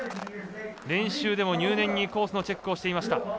練習でも入念にコースのチェックをしていました。